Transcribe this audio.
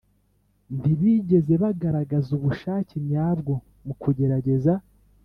ntibigeze bagaragaza ubushake nyabwo mu kugerageza